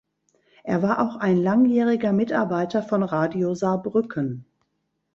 Er war auch ein langjähriger Mitarbeiter von Radio Saarbrücken.